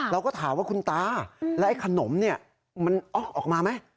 เราก็ถามว่าคุณตาแล้วไอ้ขนมเนี่ยมันออกมาไหม